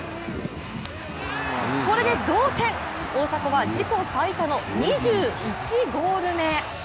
これで同点、大迫は自己最多の２１ゴール目。